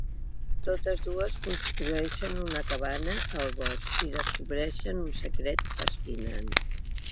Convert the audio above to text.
Totes dues construeixen una cabana al bosc i descobreixen un secret fascinant.